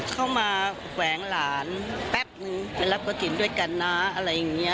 เข้ามาแขวงหลานแป๊บนึงไปรับกระถิ่นด้วยกันนะอะไรอย่างนี้